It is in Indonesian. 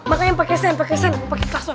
makanya pake sen pake sen pake klason